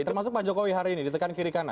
termasuk pak jokowi hari ini ditekan kiri kanan